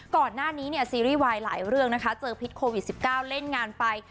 ก่อนหน้านี้เนี่ยซีรีส์วายหลายเรื่องนะคะเจอพิษโควิด๑๙เล่นงานไป